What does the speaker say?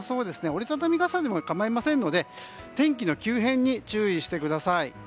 折り畳み傘でも構いませんので天気の急変に注意してください。